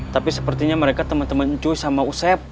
tapi sepertinya mereka teman teman cuy sama usep